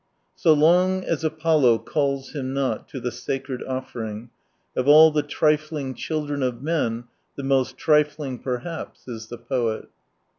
So long as Apollo calls him not to the sacred offering, of all the trifling children of men the most trifling perhaps is the poet."